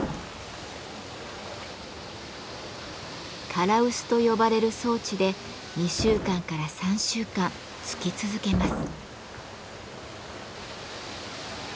唐臼と呼ばれる装置で２週間から３週間つき続けます。